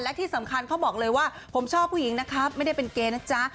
และที่สำคัญเขาบอกเลยว่าผมชอบผู้หญิงนะครับไม่ได้เป็นเกย์นะจ๊ะ